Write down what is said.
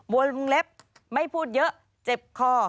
วงเล็บไม่พูดเยอะเจ็บคอ